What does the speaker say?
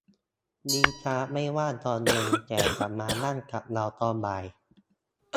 ริชาร์ดไม่ว่างตอนเย็น แต่จะมานั่งกับเราตอนบ่าย